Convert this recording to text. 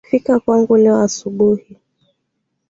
Fika kwangu leo asubuhi.